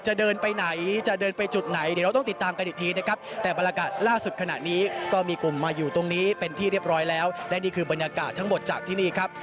เดินไปไหนจะเดินไปจุดไหนเดี๋ยวเราต้องติดตามกันอีกทีนะครับแต่บรรยากาศล่าสุดขณะนี้ก็มีกลุ่มมาอยู่ตรงนี้เป็นที่เรียบร้อยแล้วและนี่คือบรรยากาศทั้งหมดจากที่นี่ครับ